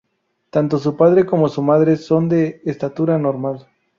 Tanto su padre como su madre son de estatura normal.